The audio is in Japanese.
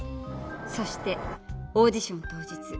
そしてオーディション当日。